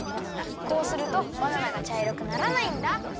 こうするとバナナがちゃいろくならないんだ。